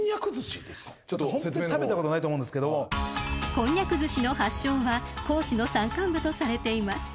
［こんにゃくずしの発祥は高知の山間部とされています］